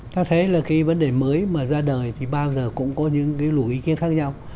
thật thế là cái vấn đề mới mà ra đời thì bao giờ cũng có những cái lũ ý kiến khác nhau